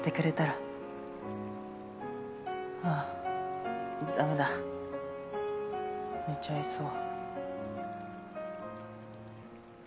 ああ駄目だ寝ちゃいそう。